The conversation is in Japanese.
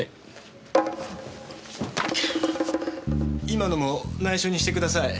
今のも内緒にしてください。